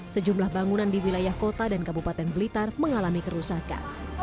sejumlah bangunan di wilayah kota dan kabupaten blitar mengalami kerusakan